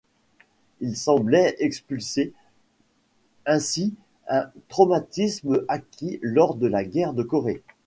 Il semblait expulser ainsi un traumatisme acquis lors de la guerre de Corée.